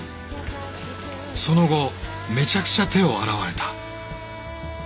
その後めちゃくちゃ手を洗われた。